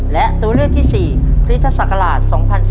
และตัวเลือกที่๔คริสตศักราช๒๔